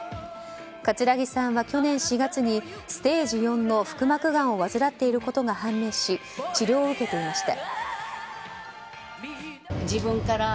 葛城さんは去年４月にステージ４の腹膜がんを患っていることが判明し、治療を受けていました。